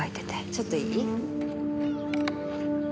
ちょっといい？